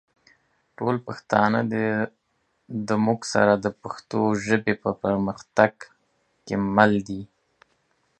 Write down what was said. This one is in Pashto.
ټول پښتانه دا مونږ سره د پښتو ژبې په پرمختګ کې مل دي